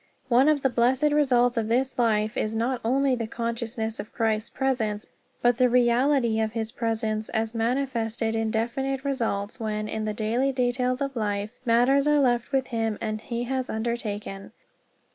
One of the blessed results of this life is not only the consciousness of Christ's presence, but the reality of his presence as manifested in definite results when, in the daily details of life, matters are left with him and he has undertaken.